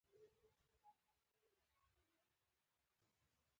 د انقلاب قربانیان د انسان او غلو تر منځ فاوستي توافق وو.